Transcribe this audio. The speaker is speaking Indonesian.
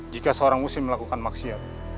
jika seorang muslim melakukan maksiat